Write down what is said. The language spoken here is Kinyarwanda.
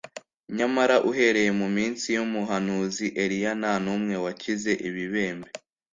Nyamara uhereye mu minsi y'umuhanuzi Eliya, nta n'umwe wakize ibibembe,